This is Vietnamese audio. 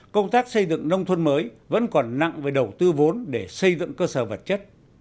công tác xây dựng nông thôn mới vẫn còn nặng về đầu tư vốn để xây dựng cơ sở vật chất